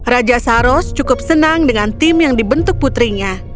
raja saros cukup senang dengan tim yang dibentuk putrinya